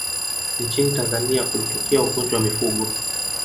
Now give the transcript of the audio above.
nchini tanzania kulitokea ugonjwa wa mifugo